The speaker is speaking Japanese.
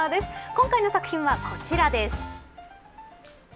今回の作品は、こちらです。